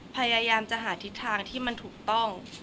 พยายามจะหาทิศทางที่มันถูกต้อง